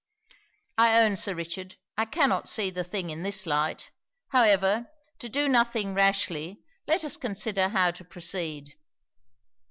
'I own, Sir Richard, I cannot see the thing in this light. However, to do nothing rashly, let us consider how to proceed.'